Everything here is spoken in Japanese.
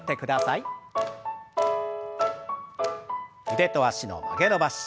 腕と脚の曲げ伸ばし。